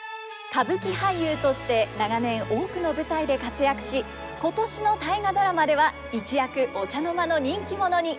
歌舞伎俳優として長年多くの舞台で活躍し今年の「大河ドラマ」では一躍お茶の間の人気者に。